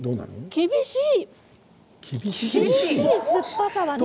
厳しい。